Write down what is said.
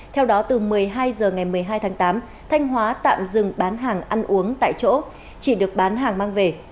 theo đó từ một mươi hai h ngày một mươi hai tháng tám thanh hóa tạm dừng bán hàng ăn uống tại chỗ chỉ được bán hàng mang về